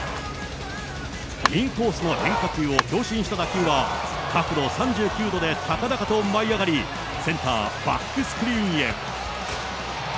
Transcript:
インコースの変化球を強振した打球は、角度３９度で高々と舞い上がり、センター、バックスクリーンへ。